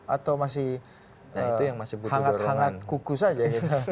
atau masih hangat hangat kuku saja